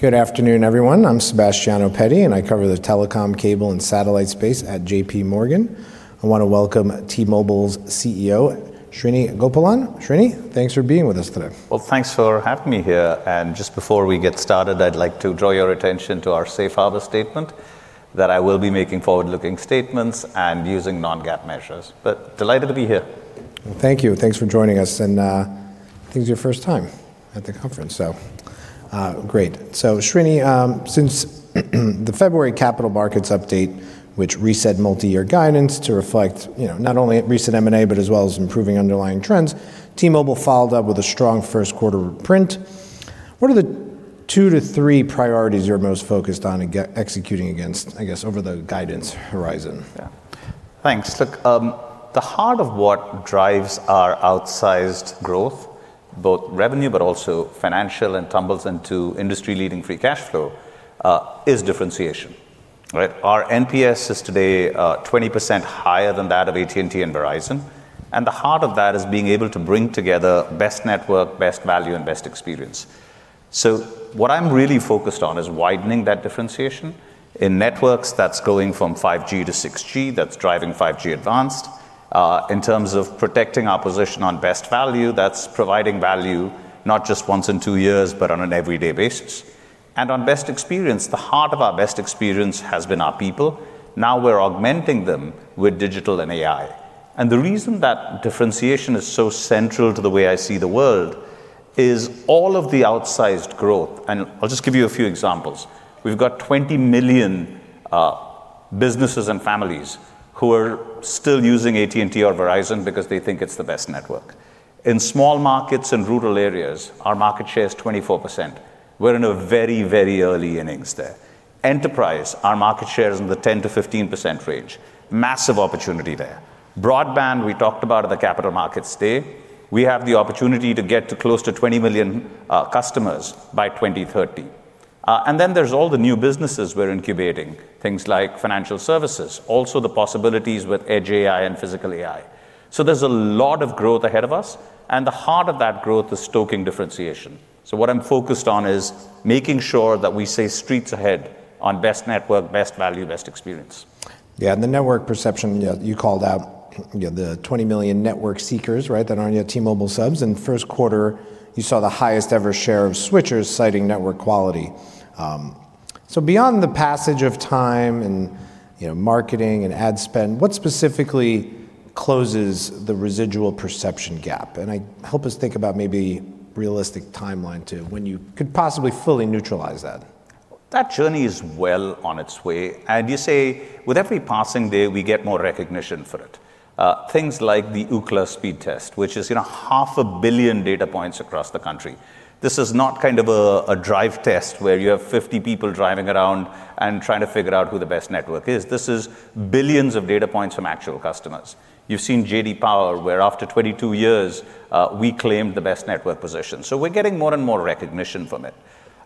Good afternoon, everyone. I'm Sebastiano Petti, and I cover the telecom, cable, and satellite space at J.P. Morgan. I wanna welcome T-Mobile's CEO, Srinivasan Gopalan. Srini, thanks for being with us today. Thanks for having me here. Just before we get started, I'd like to draw your attention to our safe harbor statement that I will be making forward-looking statements and using non-GAAP measures. Delighted to be here. Thank you. Thanks for joining us. I think it's your first time at the conference. Great. Srini, since the February capital markets update which reset multi-year guidance to reflect, you know, not only recent M&A but as well as improving underlying trends, T-Mobile followed up with a strong first quarter print. What are the two to three priorities you're most focused on executing against, I guess, over the guidance horizon? Yeah. Thanks. Look, the heart of what drives our outsized growth, both revenue but also financial and funnels into industry-leading free cash flow, is differentiation. Right? Our NPS is today, 20% higher than that of AT&T and Verizon, and the heart of that is being able to bring together best network, best value, and best experience. What I'm really focused on is widening that differentiation. In networks, that's going from 5G to 6G, that's driving 5G Advanced. In terms of protecting our position on best value, that's providing value not just once in two years but on an everyday basis. On best experience, the heart of our best experience has been our people. Now we're augmenting them with digital and AI. The reason that differentiation is so central to the way I see the world is all of the outsized growth, and I'll just give you a few examples. We've got 20 million businesses and families who are still using AT&T or Verizon because they think it's the best network. In small markets and rural areas, our market share is 24%. We're in a very, very early innings there. Enterprise, our market share is in the 10%-15% range. Massive opportunity there. Broadband, we talked about at the Capital Markets Day, we have the opportunity to get to close to 20 million customers by 2030. Then there's all the new businesses we're incubating, things like financial services, also the possibilities with edge AI and physical AI. There's a lot of growth ahead of us, and the heart of that growth is stoking differentiation. What I'm focused on is making sure that we stay streets ahead on best network, best value, best experience. The network perception, you called out, you know, the 20 million network seekers, right, that aren't yet T-Mobile subs. First quarter you saw the highest-ever share of switchers citing network quality. Beyond the passage of time and, you know, marketing and ad spend, what specifically closes the residual perception gap? Help us think about maybe realistic timeline too, when you could possibly fully neutralize that. That journey is well on its way, and you say with every passing day we get more recognition for it. Things like the Ookla Speed test, which is, you know, half a billion data points across the country. This is not kind of a drive test where you have 50 people driving around and trying to figure out who the best network is. This is billions of data points from actual customers. You've seen J.D. Power, where after 22 years, we claimed the best network position. We're getting more and more recognition from it.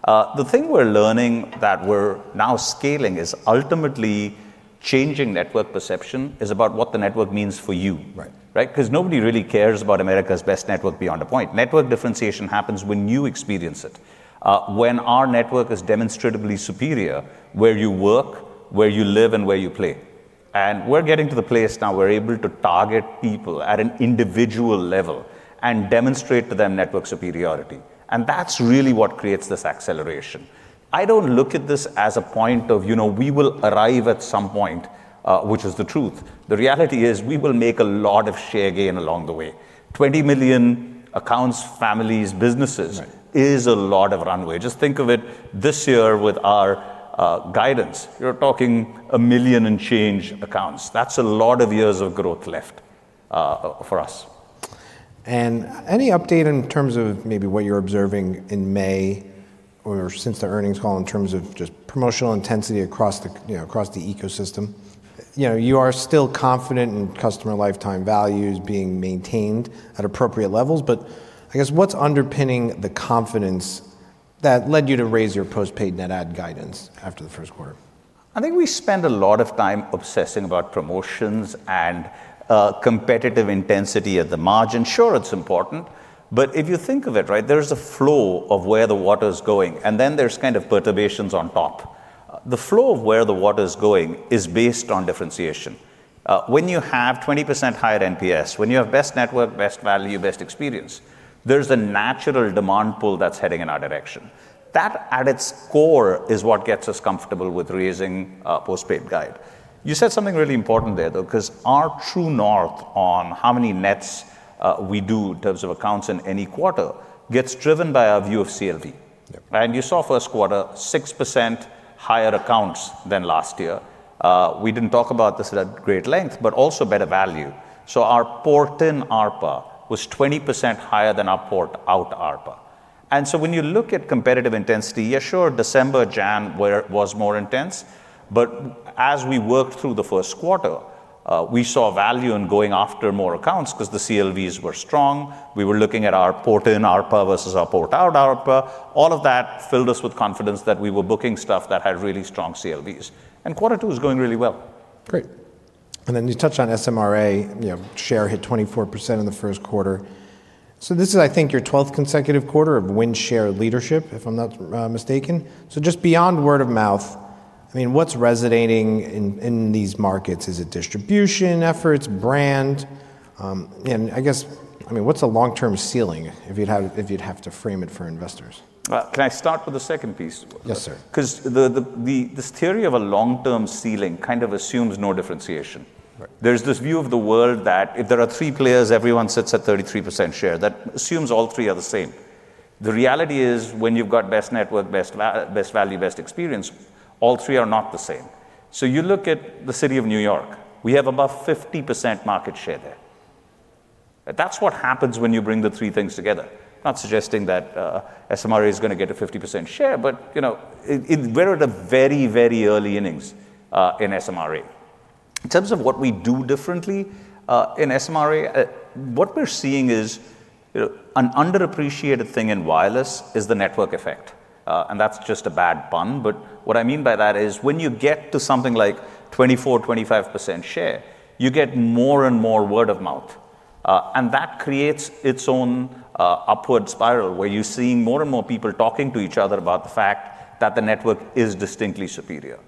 The thing we're learning that we're now scaling is ultimately changing network perception is about what the network means for you. Right. Right? 'Cause nobody really cares about America's best network beyond a point. Network differentiation happens when you experience it, when our network is demonstratively superior where you work, where you live, and where you play. We're getting to the place now we're able to target people at an individual level and demonstrate to them network superiority, and that's really what creates this acceleration. I don't look at this as a point of, you know, we will arrive at some point, which is the truth. The reality is we will make a lot of share gain along the way. 20 million accounts, families, businesses. Right Is a lot of runway. Just think of it this year with our guidance, you're talking a million and change accounts. That's a lot of years of growth left for us. Any update in terms of maybe what you're observing in May or since the earnings call in terms of just promotional intensity across the, you know, across the ecosystem? You know, you are still confident in customer lifetime values being maintained at appropriate levels. I guess what's underpinning the confidence that led you to raise your postpaid net add guidance after the first quarter? I think we spend a lot of time obsessing about promotions and competitive intensity at the margin. Sure, it's important, if you think of it, right, there is a flow of where the water's going and then there's kind of perturbations on top. The flow of where the water is going is based on differentiation. When you have 20% higher NPS, when you have best network, best value, best experience, there's a natural demand pool that's heading in our direction. That at its core is what gets us comfortable with raising postpaid guide. You said something really important there though, 'cause our true north on how many nets we do in terms of accounts in any quarter gets driven by our view of CLV. Yep. You saw first quarter, 6% higher accounts than last year. We didn't talk about this at great length, but also better value. Our port-in ARPA was 20% higher than our port-out ARPA. When you look at competitive intensity, yeah, sure, December promo was more intense, but as we worked through the first quarter, we saw value in going after more accounts 'cause the CLVs were strong. We were looking at our port-in ARPA versus our port-out ARPA. All of that filled us with confidence that we were booking stuff that had really strong CLVs. Quarter two is going really well. Great. You touched on SMRA, you know, share hit 24% in the first quarter. This is, I think, your 12th consecutive quarter of win share leadership, if I'm not mistaken. Just beyond word of mouth, I mean, what's resonating in these markets? Is it distribution efforts, brand? I guess, I mean, what's a long-term ceiling if you'd have, if you'd have to frame it for investors? Can I start with the second piece? Yes, sir. This theory of a long-term ceiling kind of assumes no differentiation. Right. There's this view of the world that if there are three players, everyone sits at 33% share. That assumes all three are the same. The reality is when you've got best network, best value, best experience, all three are not the same. You look at the city of New York, we have above 50% market share there. That's what happens when you bring the three things together. Not suggesting that SMRA is gonna get a 50% share, but you know, it, we're at a very, very early innings in SMRA. In terms of what we do differently in SMRA, what we're seeing is, you know, an underappreciated thing in wireless is the network effect. That's just a bad pun, but what I mean by that is when you get to something like 24%, 25% share, you get more and more word of mouth. That creates its own upward spiral where you're seeing more and more people talking to each other about the fact that the network is distinctly superior.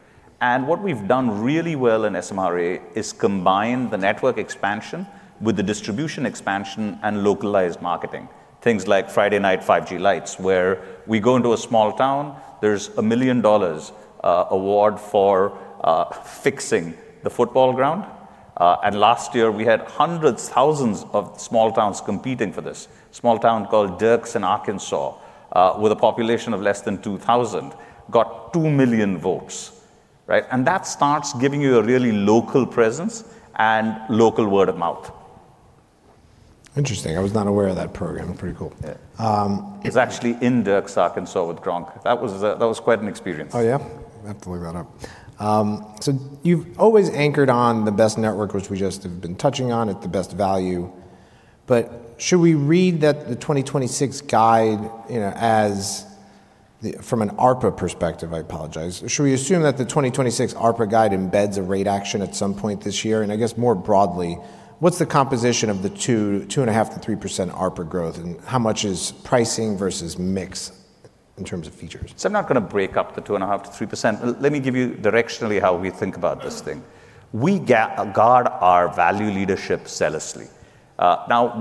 What we've done really well in SMRA is combine the network expansion with the distribution expansion and localized marketing. Things like Friday Night 5G Lights, where we go into a small town, there's a $1 million award for fixing the football ground. Last year we had hundreds, thousands of small towns competing for this. Small town called Dierks in Arkansas, with a population of less than 2,000, got two million votes, right? That starts giving you a really local presence and local word of mouth. Interesting. I was not aware of that program. Pretty cool. Yeah. Um- It was actually in Dierks, Arkansas with Gronk. That was quite an experience. Oh, yeah? I have to look that up. You've always anchored on the best network, which we just have been touching on, at the best value. Should we read that the 2026 guide, you know, from an ARPA perspective, I apologize. Should we assume that the 2026 ARPA guide embeds a rate action at some point this year? I guess more broadly, what's the composition of the 2%, 2.5%-3% ARPA growth, and how much is pricing versus mix in terms of features? I'm not going to break up the 2.5%-3%. Let me give you directionally how we think about this thing. We guard our value leadership zealously. Now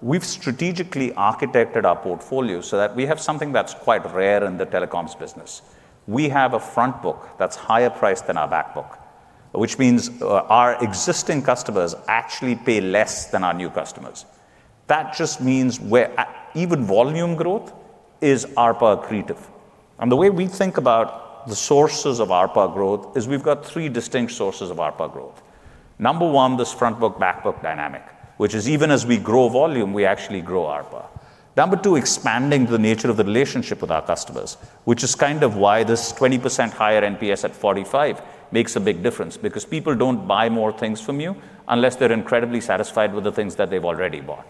we've strategically architected our portfolio so that we have something that's quite rare in the telecoms business. We have a front book that's higher priced than our back book, which means, our existing customers actually pay less than our new customers. That just means even volume growth is ARPA accretive. The way we think about the sources of ARPA growth is we've got three distinct sources of ARPA growth. Number one, this front book, back book dynamic, which is even as we grow volume, we actually grow ARPA. Number two, expanding the nature of the relationship with our customers, which is kind of why this 20% higher NPS at 45 makes a big difference because people don't buy more things from you unless they're incredibly satisfied with the things that they've already bought.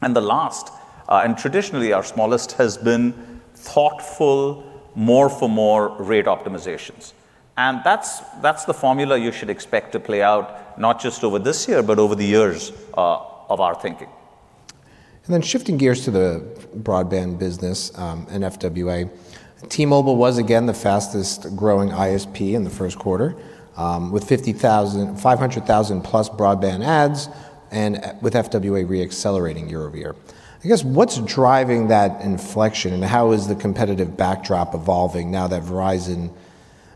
The last, and traditionally our smallest, has been thoughtful more for more rate optimizations. That's the formula you should expect to play out, not just over this year, but over the years of our thinking. Shifting gears to the broadband business and FWA. T-Mobile was again the fastest growing ISP in the first quarter, with 500,000+ broadband adds and with FWA re-accelerating year-over-year. I guess, what's driving that inflection and how is the competitive backdrop evolving now that Verizon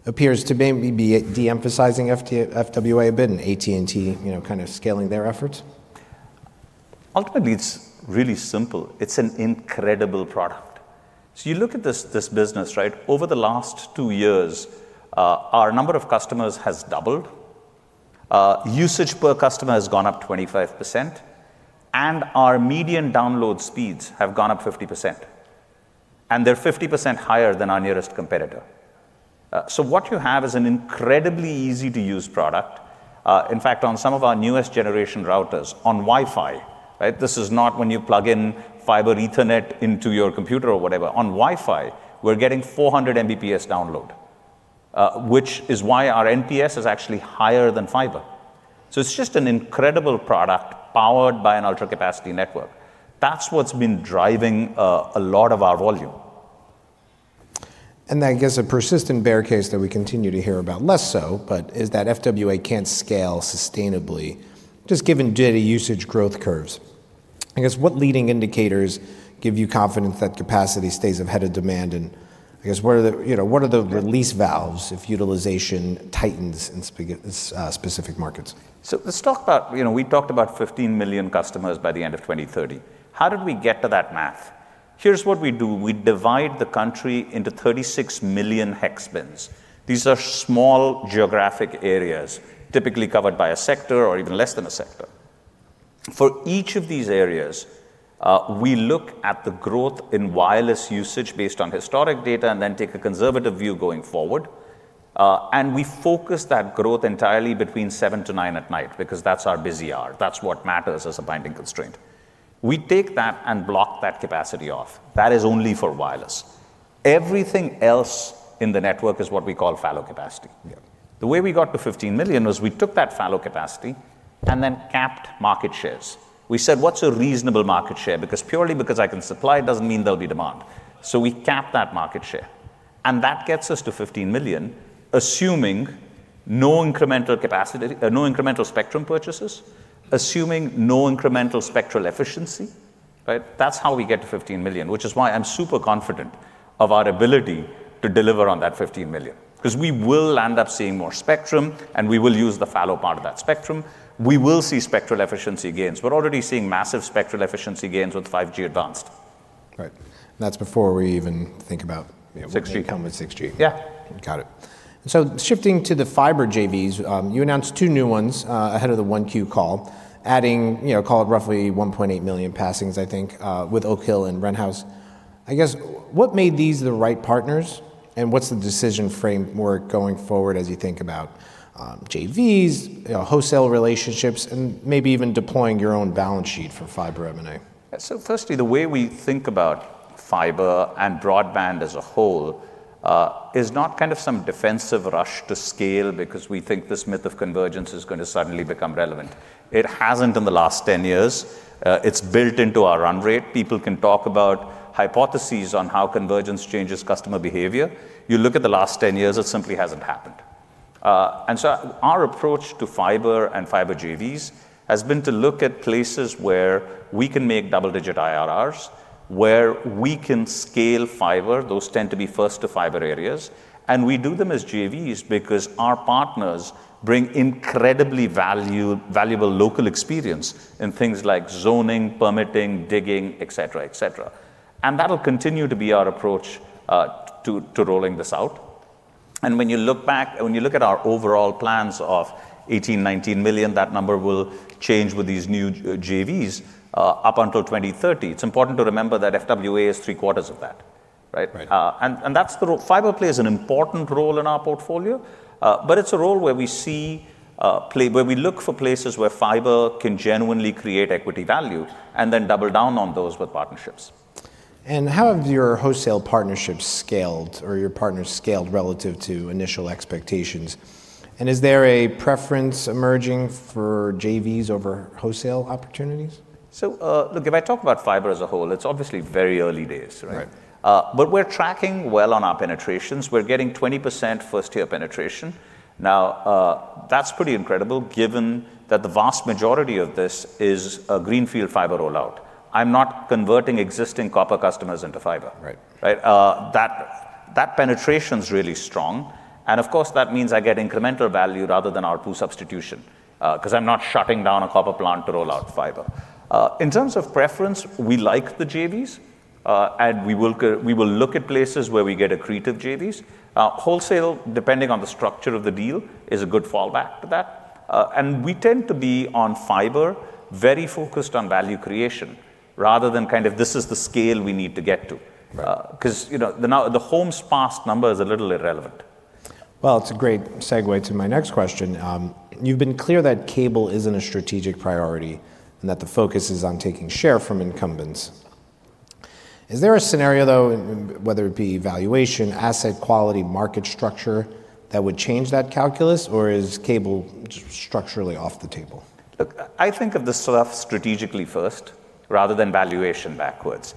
appears to maybe be de-emphasizing FWA a bit and AT&T, you know, kind of scaling their efforts? Ultimately, it's really simple. It's an incredible product. You look at this business, right? Over the last two years, our number of customers has doubled, usage per customer has gone up 25%, and our median download speeds have gone up 50%, and they're 50% higher than our nearest competitor. What you have is an incredibly easy-to-use product. In fact, on some of our newest generation routers on Wi-Fi, right? This is not when you plug in fiber Ethernet into your computer or whatever. On Wi-Fi, we're getting 400 Mbps download, which is why our NPS is actually higher than fiber. It's just an incredible product powered by an ultra-capacity network. That's what's been driving a lot of our volume. I guess a persistent bear case that we continue to hear about less so, but is that FWA can't scale sustainably just given data usage growth curves. I guess, what leading indicators give you confidence that capacity stays ahead of demand? I guess, what are the, you know, what are the release valves if utilization tightens in specific markets? Let's talk about, you know, we talked about 15 million customers by the end of 2030. How did we get to that math? Here's what we do. We divide the country into 36 million hex bins. These are small geographic areas, typically covered by a sector or even less than a sector. For each of these areas, we look at the growth in wireless usage based on historic data and then take a conservative view going forward. And we focus that growth entirely between seven to nine at night because that's our busy hour. That's what matters as a binding constraint. We take that and block that capacity off. That is only for wireless. Everything else in the network is what we call fallow capacity. Yeah. The way we got to 15 million was we took that fallow capacity and then capped market shares. We said, "What's a reasonable market share?" Because purely because I can supply it doesn't mean there'll be demand. We capped that market share, and that gets us to 15 million assuming no incremental capacity, no incremental spectrum purchases, assuming no incremental spectral efficiency, right? That's how we get to 15 million, which is why I'm super confident of our ability to deliver on that 15 million, 'cause we will end up seeing more spectrum, and we will use the fallow part of that spectrum. We will see spectral efficiency gains. We're already seeing massive spectral efficiency gains with 5G Advanced. Right. That's before we even think about, you know. 6G coming. 6G. Yeah. Got it. Shifting to the fiber JVs, you announced two new ones ahead of the 1Q call, adding, you know, call it roughly 1.8 million passings, I think, with Oak Hill and Wren House. I guess, what made these the right partners, and what's the decision framework going forward as you think about JVs, you know, wholesale relationships, and maybe even deploying your own balance sheet for fiber M&A? Firstly, the way we think about fiber and broadband as a whole is not kind of some defensive rush to scale because we think this myth of convergence is gonna suddenly become relevant. It hasn't in the last 10 years. It's built into our run rate. People can talk about hypotheses on how convergence changes customer behavior. You look at the last 10 years, it simply hasn't happened. Our approach to fiber and fiber JVs has been to look at places where we can make double-digit IRRs, where we can scale fiber, those tend to be first to fiber areas. We do them as JVs because our partners bring incredibly value-valuable local experience in things like zoning, permitting, digging, et cetera. That'll continue to be our approach to rolling this out. When you look at our overall plans of $18 million, $19 million, that number will change with these new JVs up until 2030. It's important to remember that FWA is three-quarters of that, right? Right. Fiber plays an important role in our portfolio, but it's a role where we see where we look for places where fiber can genuinely create equity value and then double down on those with partnerships. How have your wholesale partnerships scaled or your partners scaled relative to initial expectations? Is there a preference emerging for JVs over wholesale opportunities? Look, if I talk about fiber as a whole, it's obviously very early days, right? Right. We're tracking well on our penetrations. We're getting 20% first-tier penetration. That's pretty incredible given that the vast majority of this is a greenfield fiber rollout. I'm not converting existing copper customers into fiber. Right. Right? That, that penetration's really strong, and of course, that means I get incremental value rather than ARR substitution, 'cause I'm not shutting down a copper plant to roll out fiber. In terms of preference, we like the JVs, and we will look at places where we get accretive JVs. Wholesale, depending on the structure of the deal, is a good fallback to that. We tend to be on fiber, very focused on value creation rather than kind of this is the scale we need to get to. Right. 'Cause, you know, the now, the homes passed number is a little irrelevant. It's a great segue to my next question. You've been clear that cable isn't a strategic priority and that the focus is on taking share from incumbents. Is there a scenario though, whether it be valuation, asset quality, market structure, that would change that calculus, or is cable structurally off the table? Look, I think of this stuff strategically first rather than valuation backwards.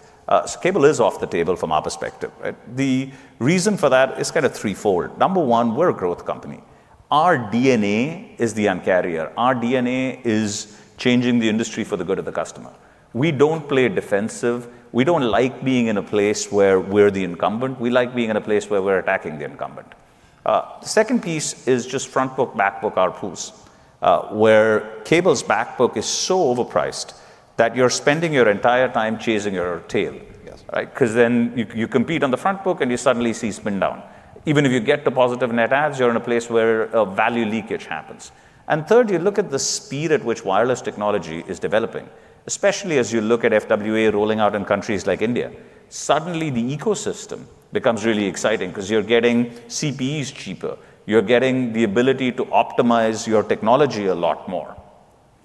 Cable is off the table from our perspective, right? The reason for that is kinda threefold. Number one, we're a growth company. Our DNA is the Un-carrier. Our DNA is changing the industry for the good of the customer. We don't play defensive. We don't like being in a place where we're the incumbent. We like being in a place where we're attacking the incumbent. The second piece is just front book, back book ARPUs, where cable's back book is so overpriced that you're spending your entire time chasing your tail. Yes. Right? Then you compete on the front book and you suddenly see spin down. Even if you get to positive net adds, you're in a place where value leakage happens. Third, you look at the speed at which wireless technology is developing, especially as you look at FWA rolling out in countries like India. Suddenly, the ecosystem becomes really exciting because you're getting CPEs cheaper. You're getting the ability to optimize your technology a lot more.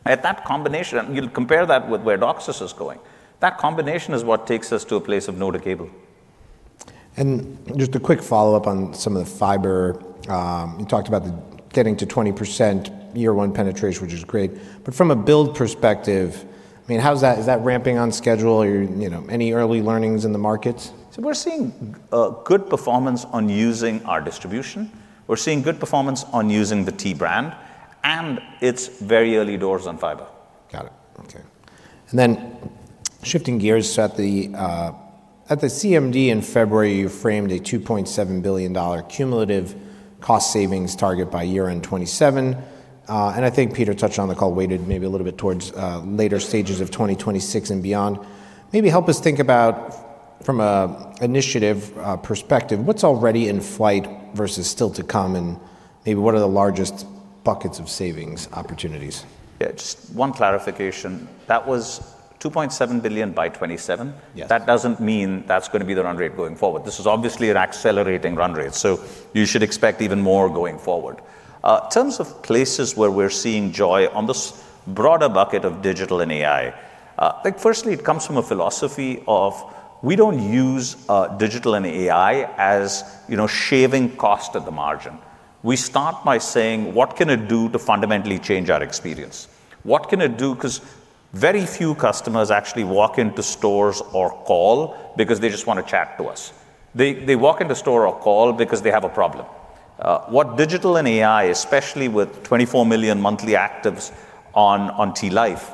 At that combination, you'll compare that with where DOCSIS is going. That combination is what takes us to a place of no to cable. Just a quick follow-up on some of the fiber. You talked about the getting to 20% year one penetration, which is great. From a build perspective, I mean, how's that? Is that ramping on schedule? You know, any early learnings in the markets? We're seeing good performance on using our distribution. We're seeing good performance on using the T brand, and it's very early doors on fiber. Got it. Okay. Shifting gears. At the CMD in February, you framed a $2.7 billion cumulative cost savings target by year-end 2027. I think Peter touched on the call weighted maybe a little bit towards later stages of 2026 and beyond. Maybe help us think about from a initiative perspective, what's already in flight versus still to come, and maybe what are the largest buckets of savings opportunities? Yeah. Just one clarification. That was $2.7 billion by 2027. Yes. That doesn't mean that's gonna be the run rate going forward. This is obviously an accelerating run rate. You should expect even more going forward. In terms of places where we're seeing joy on this broader bucket of digital and AI, like firstly, it comes from a philosophy of we don't use digital and AI as, you know, shaving cost at the margin. We start by saying, "What can it do to fundamentally change our experience? What can it do?" Because very few customers actually walk into stores or call because they just wanna chat to us. They walk in the store or call because they have a problem. What digital and AI, especially with 24 million monthly actives on T Life,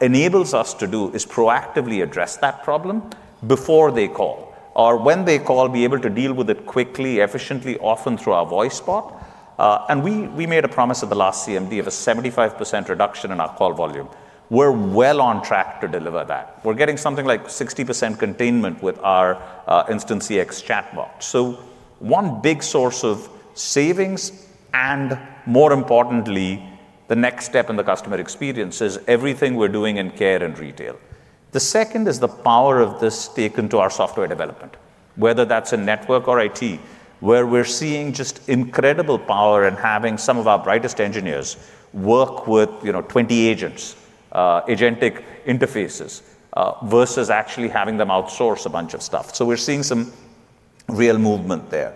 enables us to do is proactively address that problem before they call, or when they call, be able to deal with it quickly, efficiently, often through our voice bot. We, we made a promise at the last CMD of a 75% reduction in our call volume. We're well on track to deliver that. We're getting something like 60% containment with our IntentCX chatbot. One big source of savings and, more importantly, the next step in the customer experience is everything we're doing in care and retail. The second is the power of this taken to our software development, whether that's in network or IT, where we're seeing just incredible power in having some of our brightest engineers work with, you know, 20 agents, agentic interfaces, versus actually having them outsource a bunch of stuff. We're seeing some real movement there.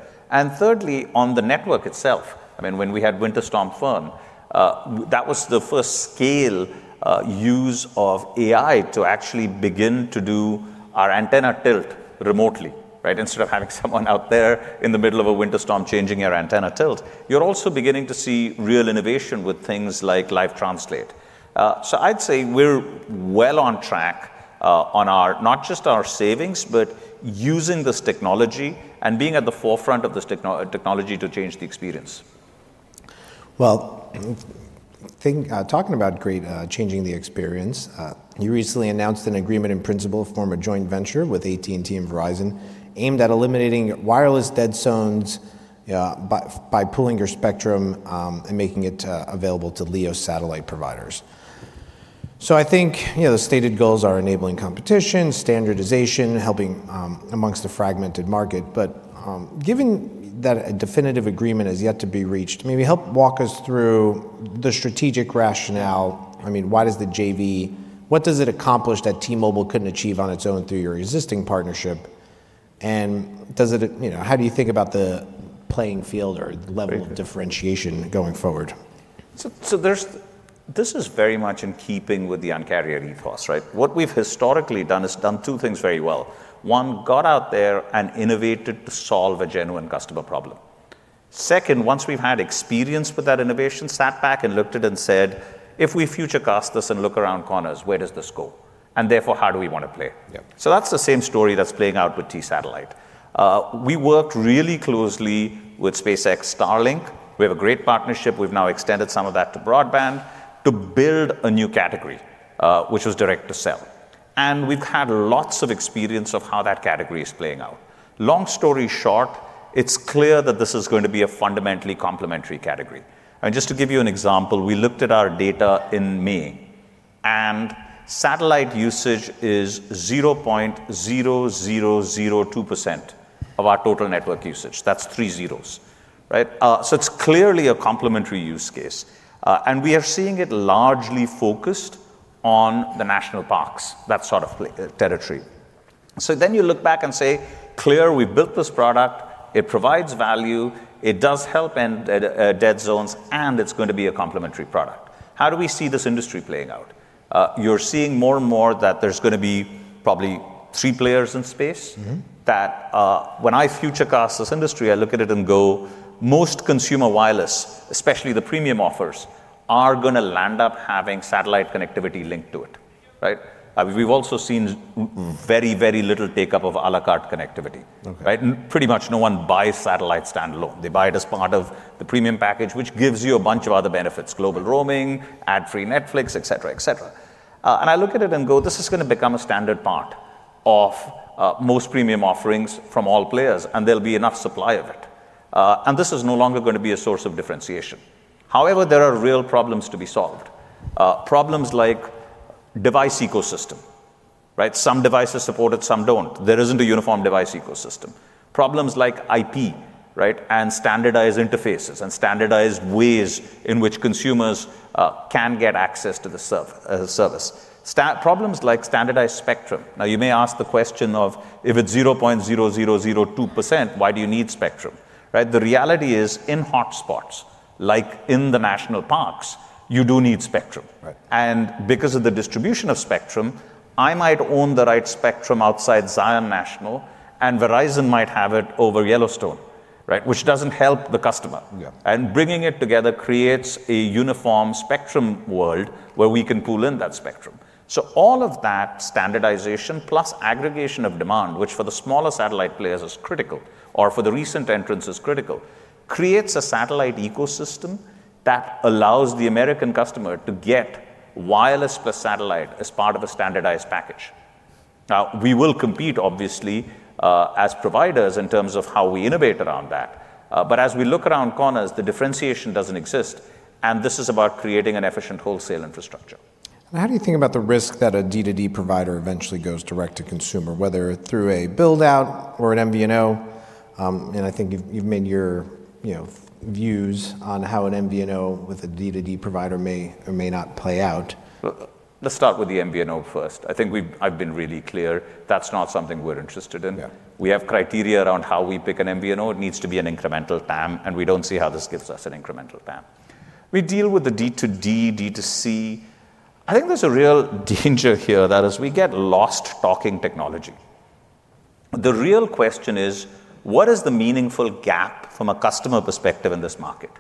Thirdly, on the network itself, I mean, when we had Winter Storm farm, that was the first scale use of AI to actually begin to do our antenna tilt remotely, right? Instead of having someone out there in the middle of a winter storm changing our antenna tilt. You're also beginning to see real innovation with things like live translate. I'd say we're well on track, on our not just our savings, but using this technology and being at the forefront of this technology to change the experience. Think, talking about great, changing the experience, you recently announced an agreement in principle to form a joint venture with AT&T and Verizon aimed at eliminating wireless dead zones by pooling your spectrum and making it available to LEO satellite providers. I think, you know, the stated goals are enabling competition, standardization, helping amongst a fragmented market. Given that a definitive agreement is yet to be reached, maybe help walk us through the strategic rationale. I mean, why does the JV What does it accomplish that T-Mobile couldn't achieve on its own through your existing partnership? Does it, you know, how do you think about the playing field or the level- Very good. of differentiation going forward? This is very much in keeping with the Un-carrier ethos, right? What we've historically done is done two things very well. One, got out there and innovated to solve a genuine customer problem. Second, once we've had experience with that innovation, sat back and looked at it and said, "If we future cast this and look around corners, where does this go? Therefore, how do we wanna play? Yeah. That's the same story that's playing out with T-Satellite. We worked really closely with SpaceX Starlink. We have a great partnership, we've now extended some of that to broadband, to build a new category, which was Direct to Cell. We've had lots of experience of how that category is playing out. Long story short, it's clear that this is going to be a fundamentally complementary category. I mean, just to give you an example, we looked at our data in May, and satellite usage is 0.0002% of our total network usage. That's three zeros, right? So it's clearly a complementary use case. We are seeing it largely focused on the national parks, that sort of territory. You look back and say, "Clear we built this product, it provides value, it does help end dead zones, and it's going to be a complementary product." How do we see this industry playing out? You're seeing more and more that there's gonna be probably three players in space. That, when I future cast this industry, I look at it and go, most consumer wireless, especially the premium offers, are gonna land up having satellite connectivity linked to it, right? We've also seen very little take-up of a la carte connectivity. Okay. Right? Pretty much no one buys satellite standalone. They buy it as part of the premium package, which gives you a bunch of other benefits, global roaming, ad-free Netflix, et cetera, et cetera. I look at it and go, "This is gonna become a standard part of most premium offerings from all players, and there'll be enough supply of it. This is no longer gonna be a source of differentiation." However, there are real problems to be solved. Problems like device ecosystem, right? Some devices support it, some don't. There isn't a uniform device ecosystem. Problems like IP, right? Standardized interfaces and standardized ways in which consumers can get access to the service. Problems like standardized spectrum. Now, you may ask the question of, if it's 0.0002%, why do you need spectrum? Right. The reality is, in hotspots, like in the national parks, you do need spectrum. Right. Because of the distribution of spectrum, I might own the right spectrum outside Zion National, and Verizon might have it over Yellowstone, right? Which doesn't help the customer. Yeah. Bringing it together creates a uniform spectrum world where we can pool in that spectrum. All of that standardization plus aggregation of demand, which for the smaller satellite players is critical, or for the recent entrants is critical, creates a satellite ecosystem that allows the American customer to get wireless plus satellite as part of a standardized package. We will compete, obviously, as providers in terms of how we innovate around that. As we look around corners, the differentiation doesn't exist, and this is about creating an efficient wholesale infrastructure. How do you think about the risk that a D2D provider eventually goes direct to consumer, whether through a build-out or an MVNO? I think you've made your, you know, views on how an MVNO with a D2D provider may or may not play out. Let's start with the MVNO first. I think I've been really clear, that's not something we're interested in. Yeah. We have criteria around how we pick an MVNO. It needs to be an incremental TAM, and we don't see how this gives us an incremental TAM. We deal with the D2D, D2C, I think there's a real danger here that as we get lost talking technology, the real question is what is the meaningful gap from a customer perspective in this market?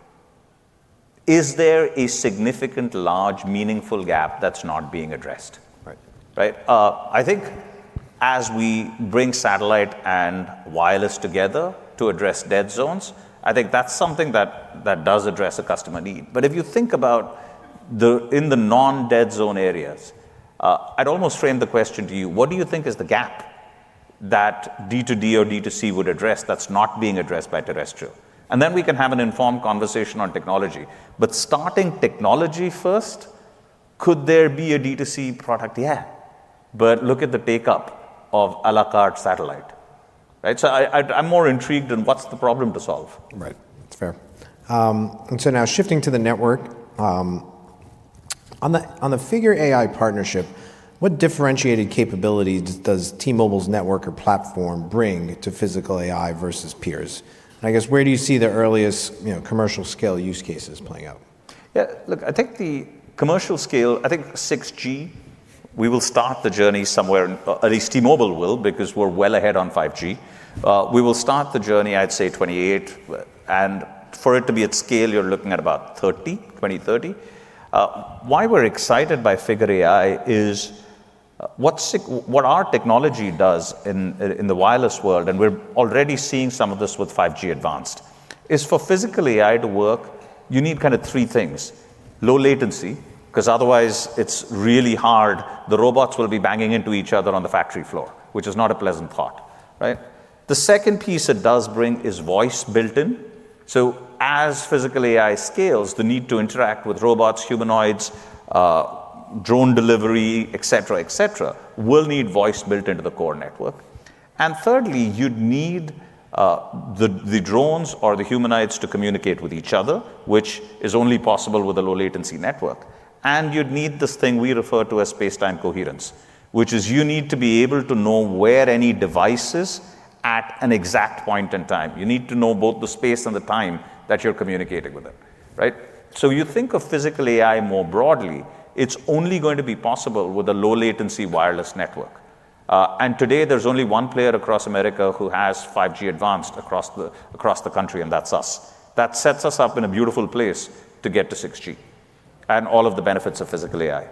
Is there a significant, large, meaningful gap that's not being addressed? Right. Right? I think as we bring satellite and wireless together to address dead zones, I think that does address a customer need. If you think about the, in the non-dead zone areas, I'd almost frame the question to you, what do you think is the gap that D2D or D2C would address that's not being addressed by terrestrial? We can have an informed conversation on technology. Starting technology first, could there be a D2C product? Yeah. Look at the take-up of a la carte satellite, right? I'm more intrigued in what's the problem to solve. Right. That's fair. Now shifting to the network, on the Figure AI partnership, what differentiated capabilities does T-Mobile's network or platform bring to physical AI versus peers? I guess, where do you see the earliest, you know, commercial scale use cases playing out? Yeah. Look, I think the commercial scale, I think 6G we will start the journey somewhere, at least T-Mobile will, because we're well ahead on 5G. We will start the journey, I'd say 2028. For it to be at scale, you're looking at about 2030. Why we're excited by Figure AI is what our technology does in the wireless world, and we're already seeing some of this with 5G Advanced, is for physical AI to work, you need kinda three things: low latency, 'cause otherwise it's really hard, the robots will be banging into each other on the factory floor, which is not a pleasant thought, right? The second piece it does bring is voice built-in. As physical AI scales, the need to interact with robots, humanoids, drone delivery, et cetera, et cetera, will need voice built into the core network. Thirdly, you'd need the drones or the humanoids to communicate with each other, which is only possible with a low latency network. You'd need this thing we refer to as space-time coherence, which is you need to be able to know where any device is at an exact point in time. You need to know both the space and the time that you're communicating with it, right? You think of physical AI more broadly, it's only going to be possible with a low latency wireless network. Today there's only one player across America who has 5G Advanced across the country, and that's us. That sets us up in a beautiful place to get to 6G and all of the benefits of physical AI.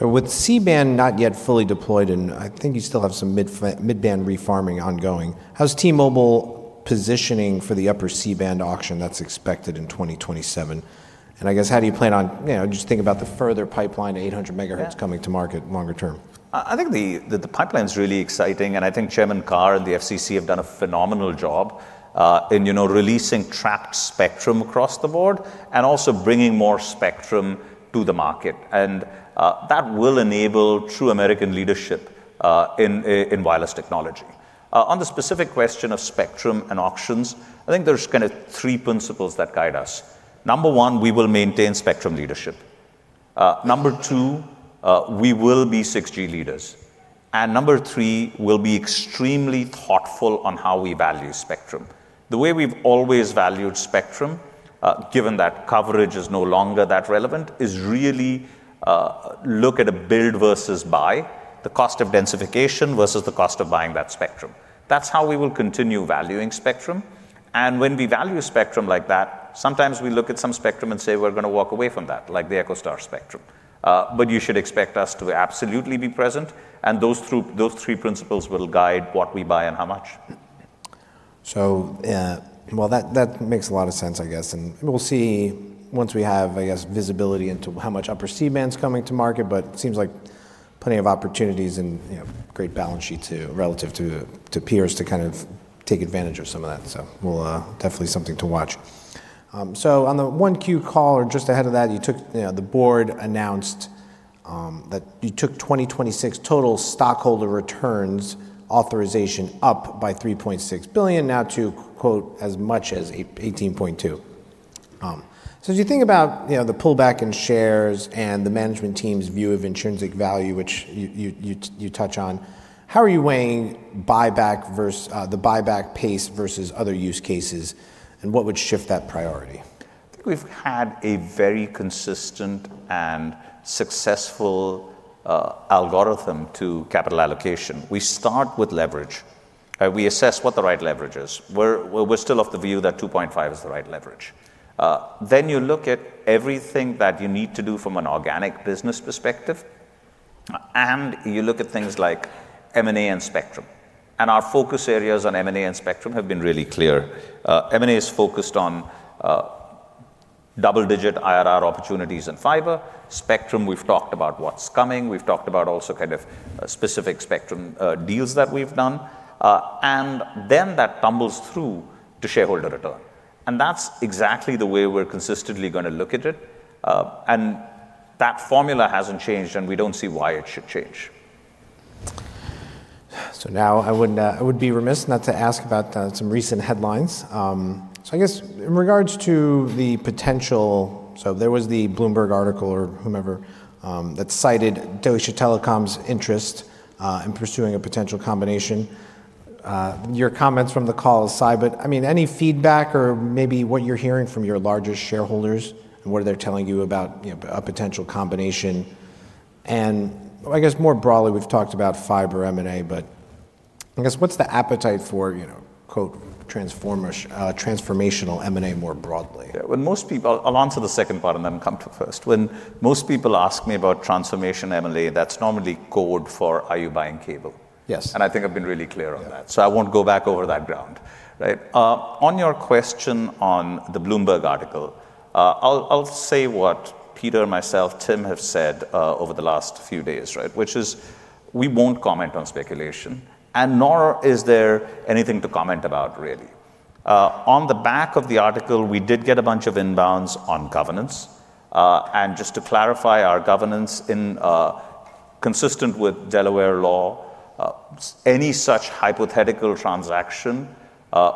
With C-band not yet fully deployed, and I think you still have some mid-band refarming ongoing, how's T-Mobile positioning for the upper C-band auction that's expected in 2027? I guess, how do you plan on, you know, just think about the further pipeline to 800 MHz? Yeah coming to market longer term. I think the, the pipeline's really exciting, and I think Brendan Carr and the FCC have done a phenomenal job, in, you know, releasing trapped spectrum across the board and also bringing more spectrum to the market. That will enable true American leadership, in wireless technology. On the specific question of spectrum and auctions, I think there's kinda three principles that guide us. Number one, we will maintain spectrum leadership. Number two, we will be 6G leaders. Number three, we'll be extremely thoughtful on how we value spectrum. The way we've always valued spectrum, given that coverage is no longer that relevant, is really, look at a build versus buy, the cost of densification versus the cost of buying that spectrum. That's how we will continue valuing spectrum. When we value a spectrum like that, sometimes we look at some spectrum and say, "We're gonna walk away from that," like the EchoStar spectrum. You should expect us to absolutely be present, and those three principles will guide what we buy and how much. Well, that makes a lot of sense, I guess. We'll see once we have, I guess, visibility into how much upper C-band's coming to market. Seems like plenty of opportunities and, you know, great balance sheet to, relative to peers to kind of take advantage of some of that. We'll Definitely something to watch. On the 1Q call or just ahead of that, the board announced that you took 2026 total stockholder returns authorization up by $3.6 billion now to, quote, "as much as $18.2." As you think about the pullback in shares and the management team's view of intrinsic value, which you touch on, how are you weighing buyback versus the buyback pace versus other use cases, and what would shift that priority? I think we've had a very consistent and successful algorithm to capital allocation. We start with leverage. We assess what the right leverage is. We're still of the view that 2.5 is the right leverage. You look at everything that you need to do from an organic business perspective, and you look at things like M&A and spectrum. Our focus areas on M&A and spectrum have been really clear. M&A is focused on double-digit IRR opportunities and fiber. Spectrum, we've talked about what's coming. We've talked about also kind of specific spectrum deals that we've done. That funnels through to shareholder return. That's exactly the way we're consistently gonna look at it. That formula hasn't changed, and we don't see why it should change. I would be remiss not to ask about some recent headlines. I guess in regards to the potential there was the Bloomberg article or whomever that cited Deutsche Telekom's interest in pursuing a potential combination. Your comments from the call aside, I mean, any feedback or maybe what you're hearing from your largest shareholders and what are they telling you about, you know, a potential combination? I guess more broadly, we've talked about fiber M&A, but I guess what's the appetite for, you know, "transformish," transformational M&A more broadly? Yeah. I'll answer the second part and then come to the first. When most people ask me about transformation M&A, that's normally code for are you buying cable? Yes. I think I've been really clear on that. Yeah. I won't go back over that ground, right? On your question on the Bloomberg article, I'll say what Peter, myself, Tim have said over the last few days, right? Which is we won't comment on speculation, and nor is there anything to comment about really. On the back of the article, we did get a bunch of inbounds on governance. Just to clarify our governance in consistent with Delaware law, any such hypothetical transaction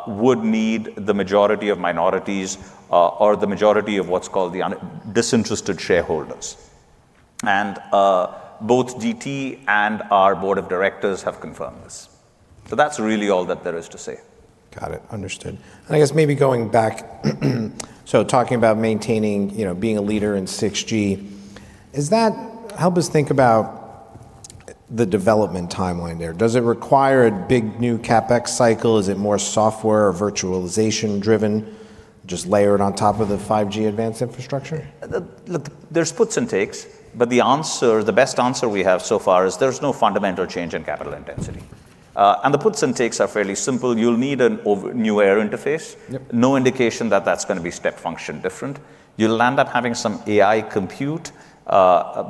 would need the majority of minorities, or the majority of what's called the undisinterested shareholders, and both DT and our board of directors have confirmed this. That's really all that there is to say. Got it. Understood. I guess maybe going back, talking about maintaining, you know, being a leader in 6G. Help us think about the development timeline there. Does it require a big new CapEx cycle? Is it more software or virtualization driven, just layered on top of the 5G Advanced infrastructure? Look, there's puts and takes, but the answer, the best answer we have so far is there's no fundamental change in capital intensity. The puts and takes are fairly simple. You'll need a new air interface. Yep. No indication that that's gonna be step function different. You'll end up having some AI compute,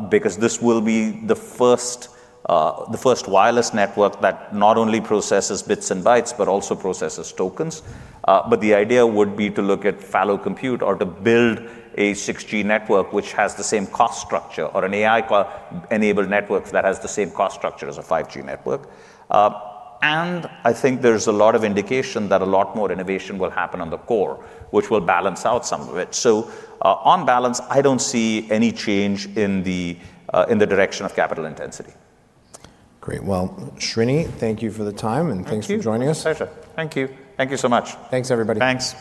because this will be the first, the first wireless network that not only processes bits and bytes, but also processes tokens. The idea would be to look at fallow compute or to build a 6G network which has the same cost structure or an AI-enabled network that has the same cost structure as a 5G network. I think there's a lot of indication that a lot more innovation will happen on the core, which will balance out some of it. On balance, I don't see any change in the direction of capital intensity. Great. Well, Srini, thank you for the time. Thank you Thanks for joining us. Pleasure. Thank you. Thank you so much. Thanks, everybody. Thanks.